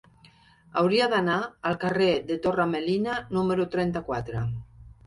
Hauria d'anar al carrer de Torre Melina número trenta-quatre.